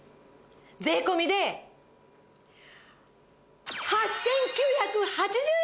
税込で８９８０円！